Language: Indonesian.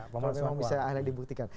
kalau memang bisa akhirnya dibuktikan